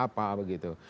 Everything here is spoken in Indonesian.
ataupun orang apa begitu